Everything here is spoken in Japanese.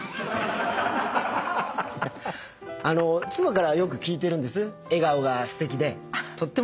あの妻からよく聞いてるんです。